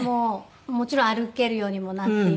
もちろん歩けるようにもなっていますし。